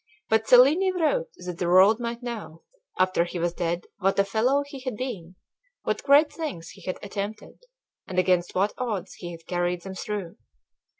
But Cellini wrote that the world might know, after he was dead, what a fellow he had been; what great things he had attempted, and against what odds he had carried them through.